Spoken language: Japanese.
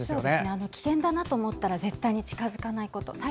危険だなと思ったら絶対に近づかないこと。